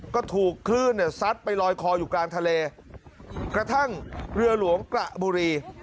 ก็ถูกคลื่นเนี่ยซัดไปลอยคออยู่กลางทะเลกระทั่งเรือหลวงกระบุรี